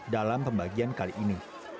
dalam pembagian kali ini